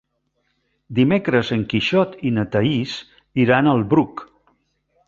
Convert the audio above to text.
Dimecres en Quixot i na Thaís iran al Bruc.